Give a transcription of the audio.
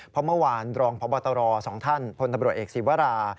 เพราะเมื่อวานรองพบตร๒ท่านพลตำรวจเอกศีวรา